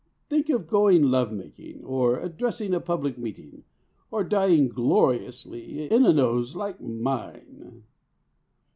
Think of going love making, or addressing a public meeting, or dying gloriously, in a nose like mine!